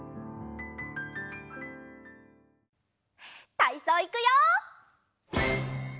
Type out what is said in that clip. たいそういくよ！